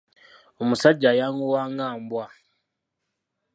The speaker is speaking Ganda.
Omusajja ayanguwa nga Embwa.